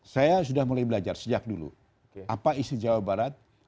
saya sudah mulai belajar sejak dulu apa isi jawa barat